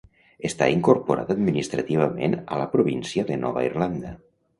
Està incorporada administrativament a la província de Nova Irlanda.